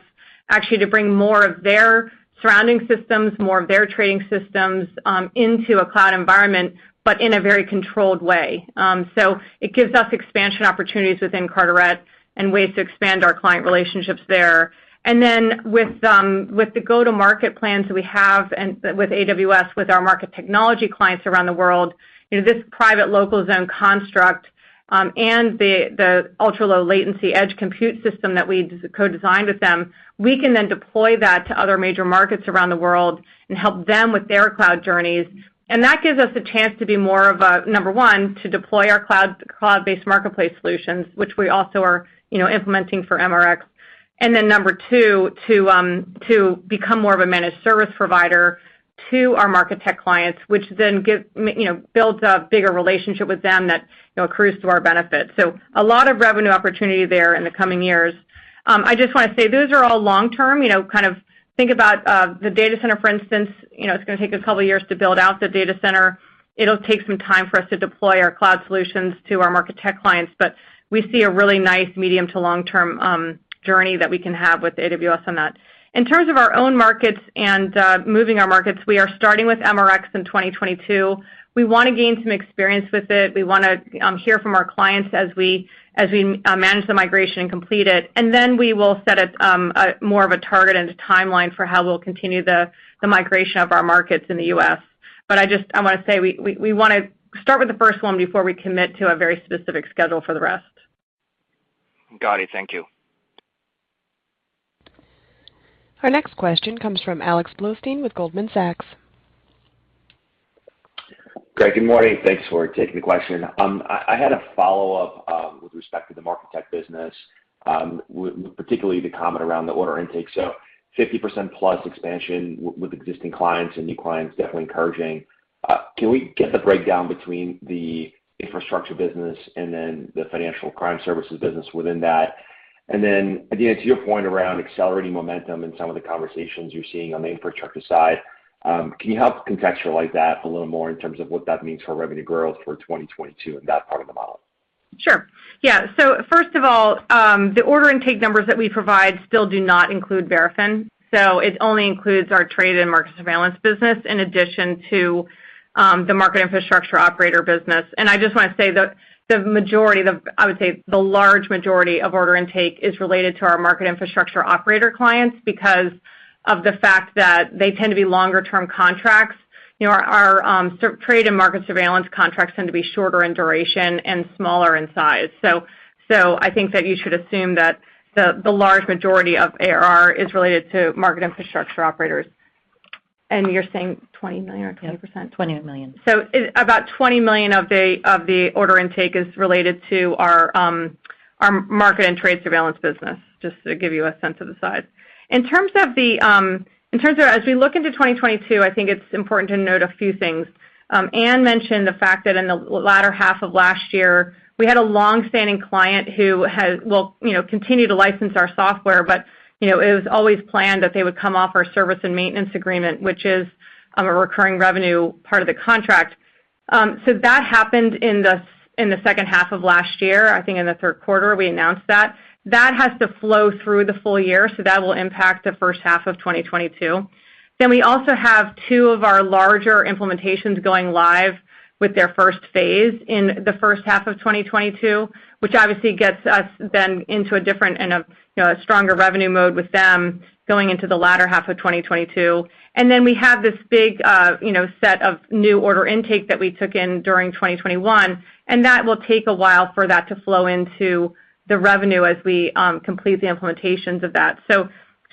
actually to bring more of their surrounding systems, more of their trading systems, into a cloud environment, but in a very controlled way. It gives us expansion opportunities within Carteret and ways to expand our client relationships there. Then with the go-to-market plans we have and with AWS, with our market technology clients around the world, you know, this private local zone construct, and the ultra-low latency edge compute system that we co-designed with them, we can then deploy that to other major markets around the world and help them with their cloud journeys. That gives us a chance to be more of a number one, to deploy our cloud cloud-based marketplace solutions, which we also are you know implementing for MRX. Then number two, to become more of a managed service provider to our market tech clients, which then you know builds a bigger relationship with them that you know accrues to our benefit. A lot of revenue opportunity there in the coming years. I just wanna say those are all long-term you know kind of think about the data center, for instance, you know, it's gonna take us a couple years to build out the data center. It'll take some time for us to deploy our cloud solutions to our market tech clients, but we see a really nice medium to long-term journey that we can have with AWS on that. In terms of our own markets and moving our markets, we are starting with MRX in 2022. We wanna gain some experience with it. We wanna hear from our clients as we manage the migration and complete it. We will set up a more of a target and a timeline for how we'll continue the migration of our markets in the U.S. I wanna say we wanna start with the first one before we commit to a very specific schedule for the rest. Got it. Thank you. Our next question comes from Alex Blostein with Goldman Sachs. Greg, good morning. Thanks for taking the question. I had a follow-up with respect to the market tech business, with particularly the comment around the order intake. 50%+ expansion with existing clients and new clients, definitely encouraging. Can we get the breakdown between the infrastructure business and then the financial crime services business within that? To your point around accelerating momentum and some of the conversations you're seeing on the infrastructure side, can you help contextualize that a little more in terms of what that means for revenue growth for 2022 in that part of the model? First of all, the order intake numbers that we provide still do not include Verafin. It only includes our trade and market surveillance business in addition to the market infrastructure operator business. I just wanna say the majority, I would say the large majority of order intake is related to our market infrastructure operator clients because of the fact that they tend to be longer term contracts. You know, our trade and market surveillance contracts tend to be shorter in duration and smaller in size. I think that you should assume that the large majority of ARR is related to market infrastructure operators. You're saying $20 million or 20%? Yep. $20 million. About $20 million of the order intake is related to our market and trade surveillance business, just to give you a sense of the size. In terms of as we look into 2022, I think it's important to note a few things. Ann mentioned the fact that in the latter half of last year, we had a long-standing client who will, you know, continue to license our software, but, you know, it was always planned that they would come off our service and maintenance agreement, which is a recurring revenue part of the contract. That happened in the second half of last year. I think in the third quarter, we announced that. That has to flow through the full year, so that will impact the first half of 2022. We also have two of our larger implementations going live with their first phase in the first half of 2022, which obviously gets us into a different and a, you know, a stronger revenue mode with them going into the latter half of 2022. We have this big, you know, set of new order intake that we took in during 2021, and that will take a while for that to flow into the revenue as we complete the implementations of that. So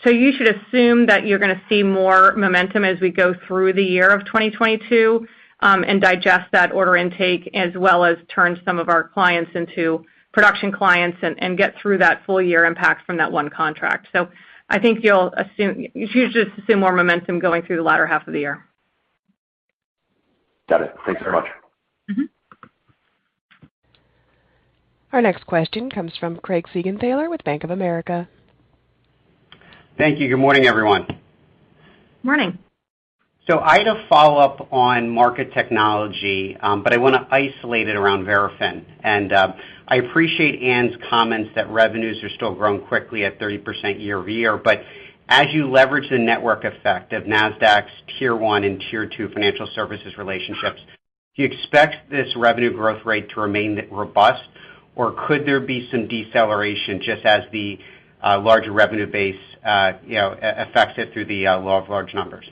you should assume that you're gonna see more momentum as we go through the year of 2022, and digest that order intake, as well as turn some of our clients into production clients and get through that full year impact from that one contract. I think you should just assume more momentum going through the latter half of the year. Got it. Thanks very much. Mm-hmm. Our next question comes from Craig Siegenthaler with Bank of America. Thank you. Good morning, everyone. Morning. I had a follow-up on market technology, but I wanna isolate it around Verafin. I appreciate Ann's comments that revenues are still growing quickly at 30% year-over-year. As you leverage the network effect of Nasdaq's tier one and tier two financial services relationships, do you expect this revenue growth rate to remain robust, or could there be some deceleration just as the larger revenue base affects it through the law of large numbers?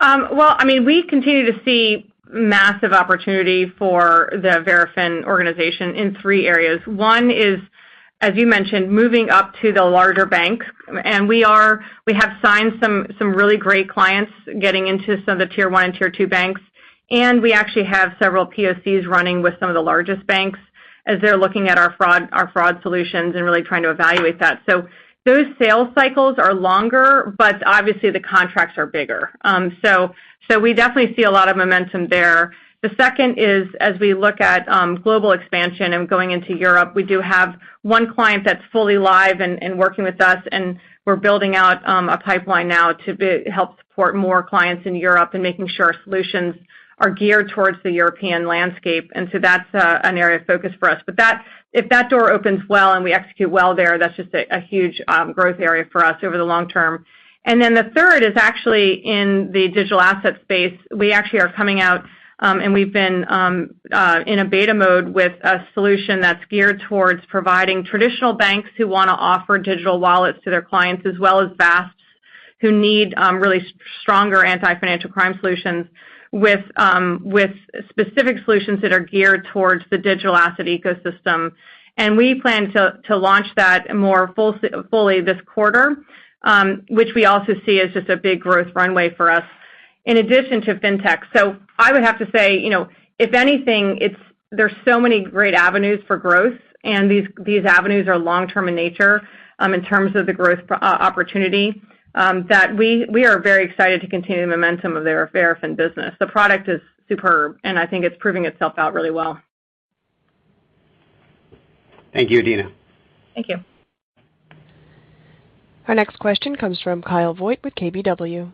I mean, we continue to see massive opportunity for the Verafin organization in three areas. One is, as you mentioned, moving up to the larger bank, and we have signed some really great clients getting into some of the tier one and tier two banks. We actually have several POCs running with some of the largest banks as they're looking at our fraud solutions and really trying to evaluate that. Those sales cycles are longer, but obviously the contracts are bigger. We definitely see a lot of momentum there. The second is, as we look at global expansion and going into Europe, we do have one client that's fully live and working with us, and we're building out a pipeline now to help support more clients in Europe and making sure our solutions are geared towards the European landscape. That's an area of focus for us. But if that door opens well and we execute well there, that's just a huge growth area for us over the long term. The third is actually in the digital asset space. We actually are coming out, and we've been in a beta mode with a solution that's geared towards providing traditional banks who wanna offer digital wallets to their clients as well as those who need really stronger anti-financial crime solutions with specific solutions that are geared towards the digital asset ecosystem. We plan to launch that more fully this quarter, which we also see as just a big growth runway for us in addition to Fintech. I would have to say, you know, if anything, it's. There's so many great avenues for growth, and these avenues are long-term in nature, in terms of the growth opportunity, that we are very excited to continue the momentum of the Verafin business. The product is superb, and I think it's proving itself out really well. Thank you, Adena. Thank you. Our next question comes from Kyle Voigt with KBW.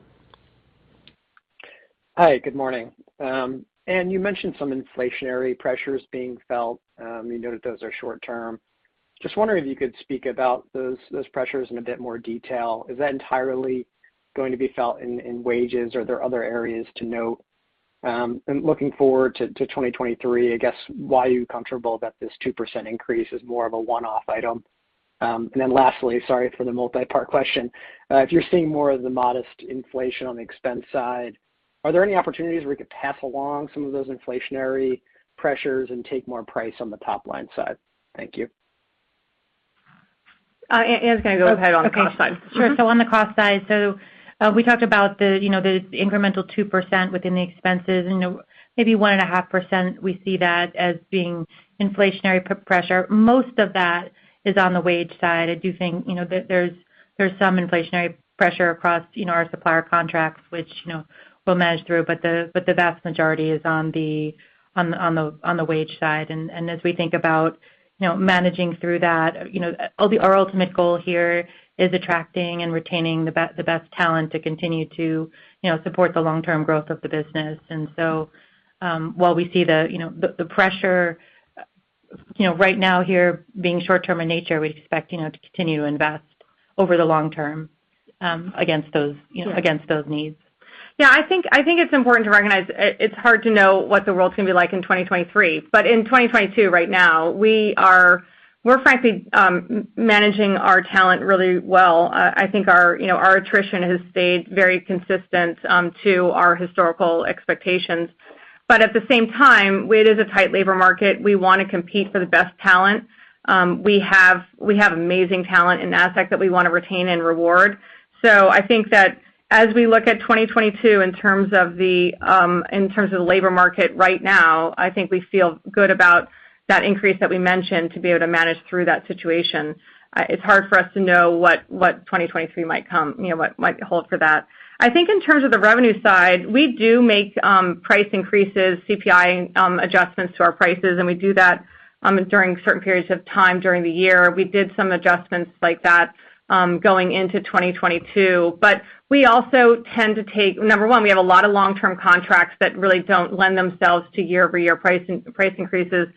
Hi, good morning. Ann, you mentioned some inflationary pressures being felt. You noted those are short term. Just wondering if you could speak about those pressures in a bit more detail. Is that entirely going to be felt in wages, or are there other areas to note? Looking forward to 2023, I guess, why are you comfortable that this 2% increase is more of a one-off item? Lastly, sorry for the multipart question, if you're seeing more of the modest inflation on the expense side, are there any opportunities where we could pass along some of those inflationary pressures and take more price on the top-line side? Thank you. Ann's gonna go ahead on the cost side. On the cost side, we talked about the incremental 2% within the expenses and the maybe 1.5% we see that as being inflationary pressure. Most of that is on the wage side. I do think, you know, there's some inflationary pressure across, you know, our supplier contracts, which, you know, we'll manage through, but the vast majority is on the wage side. As we think about, you know, managing through that, you know, our ultimate goal here is attracting and retaining the best talent to continue to, you know, support the long-term growth of the business. While we see the you know pressure you know right now here being short term in nature, we expect you know to continue to invest over the long term against those you know needs. Yeah, I think it's important to recognize it. It's hard to know what the world's gonna be like in 2023, but in 2022 right now, we're frankly managing our talent really well. I think our, you know, our attrition has stayed very consistent to our historical expectations. At the same time, it is a tight labor market. We wanna compete for the best talent. We have amazing talent in Nasdaq that we wanna retain and reward. I think that as we look at 2022 in terms of the labor market right now, I think we feel good about that increase that we mentioned to be able to manage through that situation. It's hard for us to know what 2023 might bring, you know, what might hold for that. I think in terms of the revenue side, we do make price increases, CPI adjustments to our prices, and we do that during certain periods of time during the year. We did some adjustments like that going into 2022. We also tend to take. Number one, we have a lot of long-term contracts that really don't lend themselves to year-over-year price increases.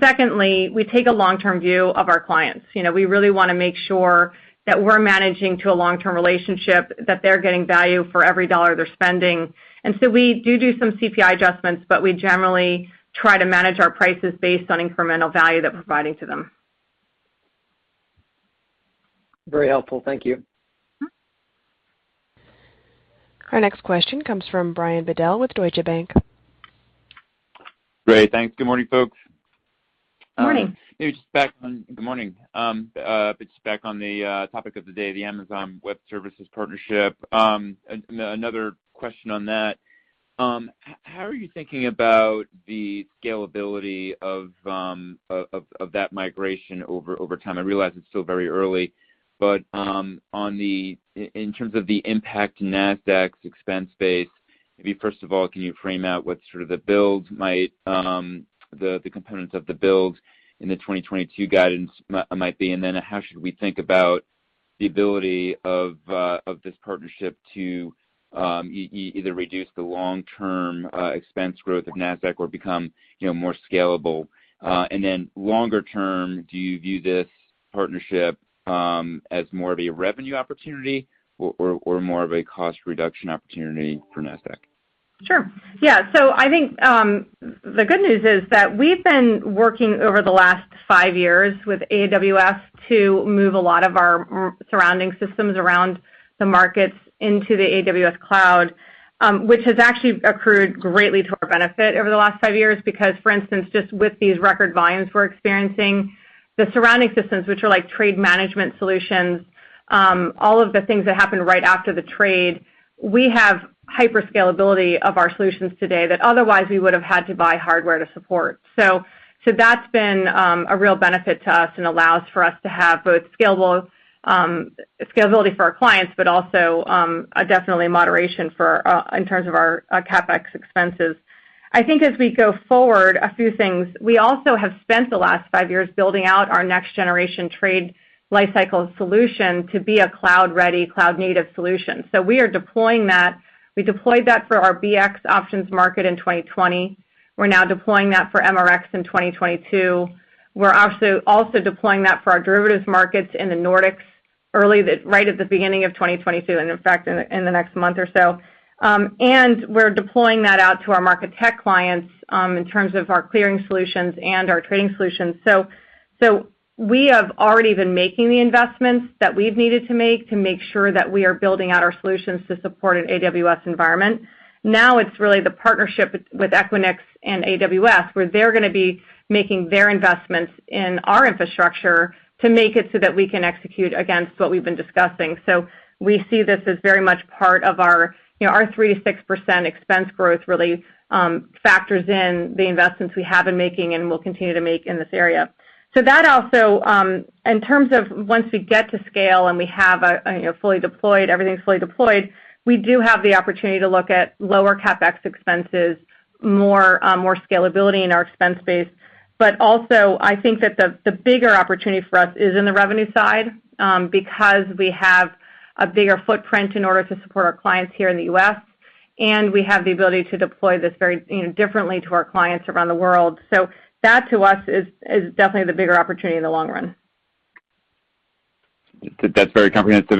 Secondly, we take a long-term view of our clients. You know, we really wanna make sure that we're managing to a long-term relationship, that they're getting value for every dollar they're spending. We do some CPI adjustments, but we generally try to manage our prices based on incremental value that we're providing to them. Very helpful. Thank you. Mm-hmm. Our next question comes from Brian Bedell with Deutsche Bank. Great. Thanks. Good morning, folks. Morning. Good morning. Just back on the topic of the day, the Amazon Web Services partnership, another question on that. How are you thinking about the scalability of that migration over time? I realize it's still very early, but in terms of the impact to Nasdaq's expense base, maybe first of all, can you frame out what sort of the build might, the components of the build in the 2022 guidance might be? Then how should we think about the ability of this partnership to either reduce the long-term expense growth of Nasdaq or become, you know, more scalable? Longer term, do you view this partnership as more of a revenue opportunity or more of a cost reduction opportunity for Nasdaq? Sure. Yeah. I think the good news is that we've been working over the last five years with AWS to move a lot of our surrounding systems around the markets into the AWS cloud, which has actually accrued greatly to our benefit over the last five years. Because for instance, just with these record volumes we're experiencing, the surrounding systems, which are like trade management solutions, all of the things that happen right after the trade, we have hyper scalability of our solutions today that otherwise we would've had to buy hardware to support. That's been a real benefit to us and allows for us to have both scalable scalability for our clients, but also a definite moderation for in terms of our CapEx expenses. I think as we go forward, a few things. We also have spent the last 5 years building out our next generation trade lifecycle solution to be a cloud-ready, cloud-native solution. We are deploying that. We deployed that for our BX options market in 2020. We're now deploying that for MRX in 2022. We're also deploying that for our derivatives markets in the Nordics right at the beginning of 2022, and in fact, in the next month or so. We're deploying that out to our market tech clients, in terms of our clearing solutions and our trading solutions. We have already been making the investments that we've needed to make to make sure that we are building out our solutions to support an AWS environment. Now, it's really the partnership with Equinix and AWS, where they're gonna be making their investments in our infrastructure to make it so that we can execute against what we've been discussing. We see this as very much part of our, you know, our 3%-6% expense growth really factors in the investments we have been making and will continue to make in this area. That also, in terms of once we get to scale, and we have a, you know, fully deployed, everything's fully deployed, we do have the opportunity to look at lower CapEx expenses, more scalability in our expense base. Also, I think that the bigger opportunity for us is in the revenue side, because we have a bigger footprint in order to support our clients here in the U.S., and we have the ability to deploy this very, you know, differently to our clients around the world. That to us is definitely the bigger opportunity in the long run. That's very comprehensive.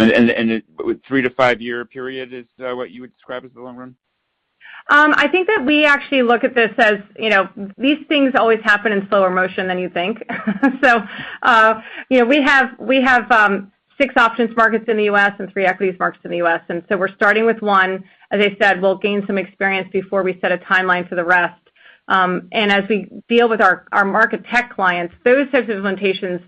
With 3 years-5-years period is what you would describe as the long run? I think that we actually look at this as, you know, these things always happen in slower motion than you think. You know, we have 6 options markets in the U.S. and 3 equities markets in the U.S., and we're starting with one. As I said, we'll gain some experience before we set a timeline for the rest. And as we deal with our market tech clients, those types of implementations,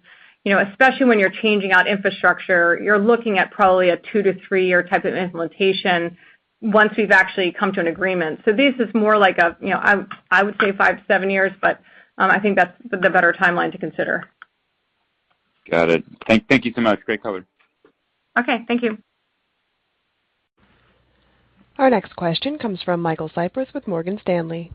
you know, especially when you're changing out infrastructure, you're looking at probably a 2 years-3-years type of implementation once we've actually come to an agreement. This is more like a, you know, I would say 5 years-7 years, but I think that's the better timeline to consider. Got it. Thank you so much. Great coverage. Okay. Thank you. Our next question comes from Michael Cyprys with Morgan Stanley.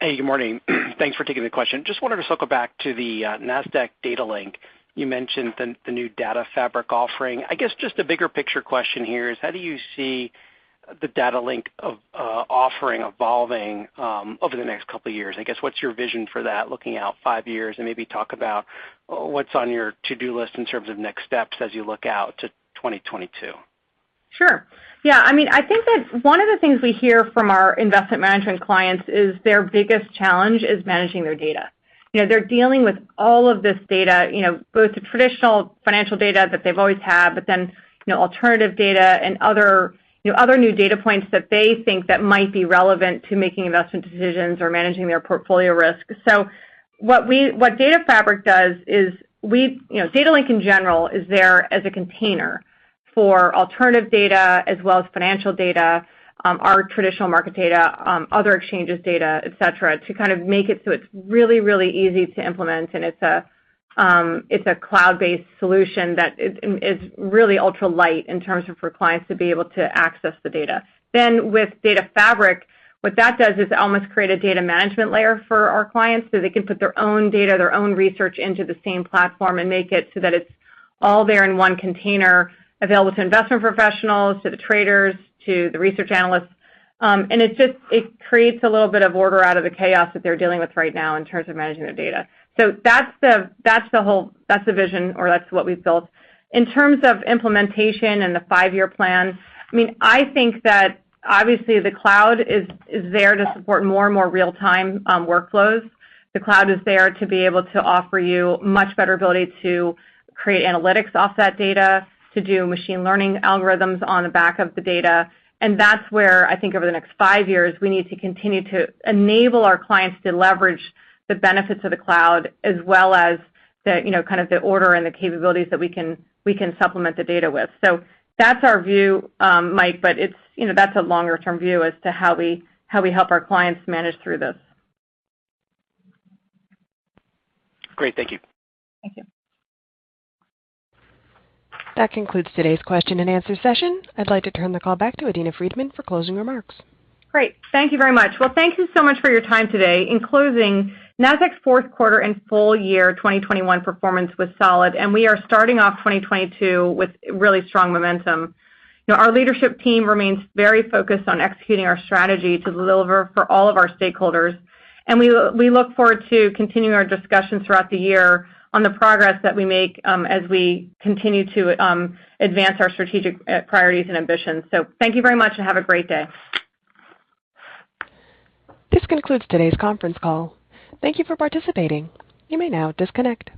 Hey, good morning. Thanks for taking the question. Just wanted to circle back to the Nasdaq Data Link. You mentioned the new Data Fabric offering. I guess just a bigger picture question here is, how do you see the Data Link offering evolving over the next couple of years? I guess, what's your vision for that looking out five years, and maybe talk about what's on your to-do list in terms of next steps as you look out to 2022. Sure. Yeah. I mean, I think that one of the things we hear from our investment management clients is their biggest challenge is managing their data. You know, they're dealing with all of this data, you know, both the traditional financial data that they've always had, but then, you know, alternative data and other, you know, other new data points that they think that might be relevant to making investment decisions or managing their portfolio risk. What Data Fabric does is, you know, Data Link in general is there as a container for alternative data as well as financial data, our traditional market data, other exchanges data, et cetera, to kind of make it so it's really, really easy to implement, and it's a cloud-based solution that is really ultra light in terms of for clients to be able to access the data. With Data Fabric, what that does is almost create a data management layer for our clients, so they can put their own data, their own research into the same platform and make it so that it's all there in one container available to investment professionals, to the traders, to the research analysts. It creates a little bit of order out of the chaos that they're dealing with right now in terms of managing their data. That's the whole vision or that's what we've built. In terms of implementation and the five-year plan, I mean, I think that obviously the cloud is there to support more and more real-time workflows. The cloud is there to be able to offer you much better ability to create analytics off that data, to do machine learning algorithms on the back of the data. That's where I think over the next five years, we need to continue to enable our clients to leverage the benefits of the cloud as well as the, you know, kind of the order and the capabilities that we can supplement the data with. That's our view, Mike, but it's, you know, that's a longer-term view as to how we help our clients manage through this. Great. Thank you. Thank you. That concludes today's question and answer session. I'd like to turn the call back to Adena Friedman for closing remarks. Great. Thank you very much. Well, thank you so much for your time today. In closing, Nasdaq's fourth quarter and full year 2021 performance was solid, and we are starting off 2022 with really strong momentum. You know, our leadership team remains very focused on executing our strategy to deliver for all of our stakeholders. We look forward to continuing our discussions throughout the year on the progress that we make as we continue to advance our strategic priorities and ambitions. Thank you very much, and have a great day. This concludes today's conference call. Thank you for participating. You may now disconnect.